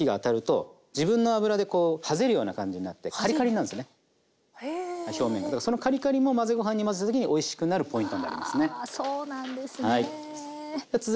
そのカリカリも混ぜご飯に混ぜた時においしくなるポイントになりますね。